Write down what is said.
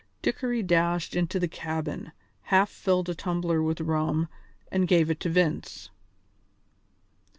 "] Dickory dashed into the cabin, half filled a tumbler with rum and gave it to Vince.